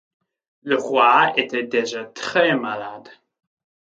Le roi était déjà très malade.